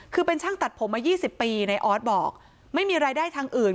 คือเป็นช่างตัดผมมา๒๐ปีในออสบอกไม่มีรายได้ทางอื่น